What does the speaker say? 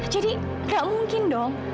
jadi enggak mungkin dong